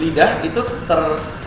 lidah itu ter